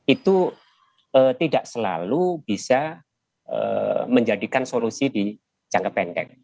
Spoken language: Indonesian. itu tidak selalu bisa menjadikan solusi di jangka pendek